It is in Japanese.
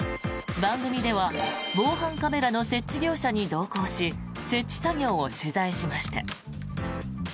番組では防犯カメラの設置業者に同行し設置作業を取材しました。